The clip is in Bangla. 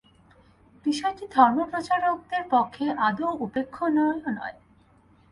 বিষয়টি ধর্মপ্রচারকদের পক্ষে আদৌ উপেক্ষণীয় নয়।